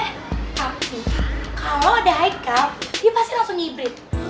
tapi kalau ada heike dia pasti langsung ngibrit